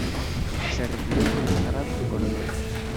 Se retiró con el grado de coronel.